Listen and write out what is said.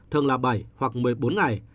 thường là bảy hoặc một mươi bốn ngày